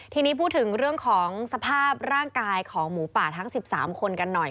ทีนี้พูดถึงเรื่องของสภาพร่างกายของหมูป่าทั้ง๑๓คนกันหน่อย